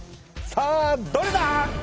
さあどれだ？